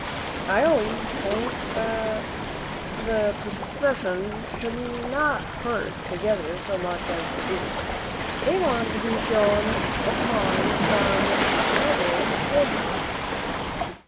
I always think the professions should not herd together so much as they do; they want to be shone upon from other quarters."